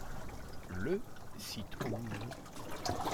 Le s'y trouve.